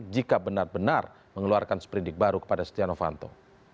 jika benar benar mengeluarkan seperindik baru kepada setia novanto